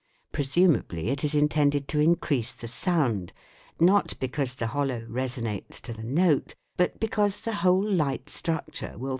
Presumably it is intended to increase the sound, not be cause the hollow reson ates to the note, but be cause the whole light structure will FIG.